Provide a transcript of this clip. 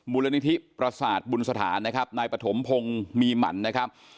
มูลนิธิประสาทบุญสถานนะครับนายปฐมพงศ์มีหมั่นนะครับ